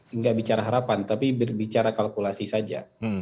tidak bicara harapan tapi berbicara kalkulasi saja